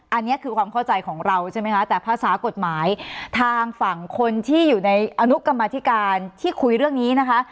อันนี้คือความเข้าใจของเราใช่ไหมคะแต่ภาษากฎหมายทางฝั่งคนที่อยู่ในอนุกรรมธิการที่คุยเรื่องนี้นะคะ